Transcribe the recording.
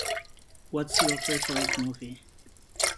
What's your favourite movie?